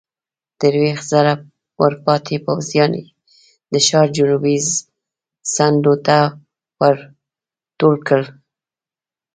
درويشت زره ورپاتې پوځيان يې د ښار جنوبي څنډو ته ورټول کړل.